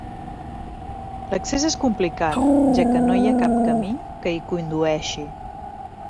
L'accés és complicat, ja que no hi ha cap camí que hi condueixi.